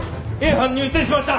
班入店しました。